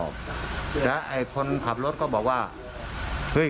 ฝ่างวัลที่๑เลย